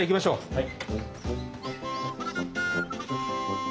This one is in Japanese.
はい。